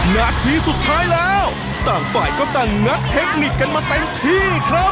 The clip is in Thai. นาทีสุดท้ายแล้วต่างฝ่ายก็ต่างงัดเทคนิคกันมาเต็มที่ครับ